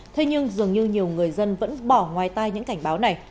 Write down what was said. thế nhưng dường như nhiều người dân vẫn bỏ ngoài tai những cảnh báo này